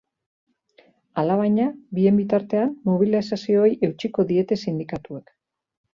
Alabaina, bien bitartean mobilizazioei eutsiko diete sindikatuek.